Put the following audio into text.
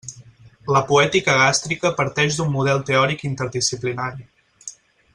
La poètica gàstrica parteix d'un model teòric interdisciplinari.